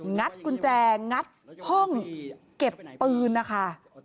งัดกุญแจงัดห้องเก็บปืนนะคะ